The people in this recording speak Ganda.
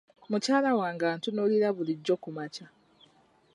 Mukyala wange antunuulira bulijjo ku makya.